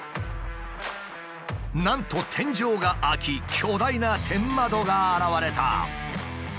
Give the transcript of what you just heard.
なんと天井が開き巨大な天窓が現れた。